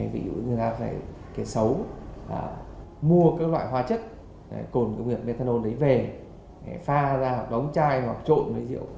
ví dụ như là phải kẻ xấu mua các loại hóa chất cồn công nghiệp methanol đấy về pha ra hoặc đóng chai hoặc trộn với rượu